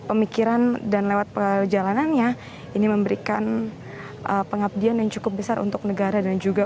pemikiran dan lewat perjalanannya ini memberikan pengabdian yang cukup besar untuk negara dan juga